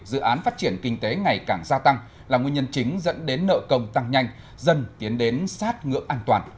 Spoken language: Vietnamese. dự án phát triển kinh tế ngày càng gia tăng là nguyên nhân chính dẫn đến nợ công tăng nhanh dân tiến đến sát ngưỡng an toàn